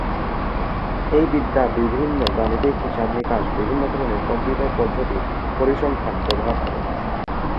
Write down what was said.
এই বিদ্যা বিভিন্ন গাণিতিক হিসাব নিকাশ, বিভিন্ন ধরনের কম্পিউটার পদ্ধতি, পরিসংখ্যান ব্যবহার করে।